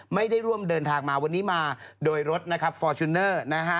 ไม่ได้ร่วมเดินทางมาวันนี้มาโดยรถนะครับฟอร์จูเนอร์นะฮะ